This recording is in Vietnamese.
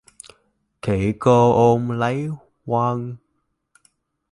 Khỉ cô ôm lấy Quân